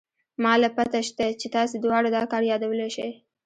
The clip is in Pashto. ما له پته شتې چې تاسې دواړه دا کار يادولې شې.